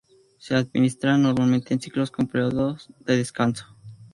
Se administran normalmente en ciclos con períodos de descanso.